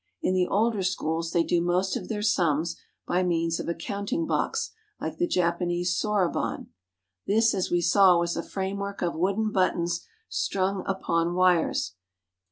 In the older schools they do most of their sums by means of a counting box like the Japanese soroban. This, as we saw, was a framework of wooden buttons strung upon wires.